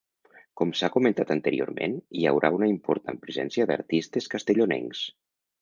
Com s’ha comentat anteriorment, hi haurà una important presència d’artistes castellonencs.